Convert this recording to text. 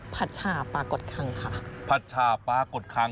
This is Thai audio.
ผัดชาปลากดคังค่ะผัดชาปลากดคัง